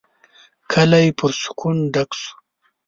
کلی پر سکون ډک شو.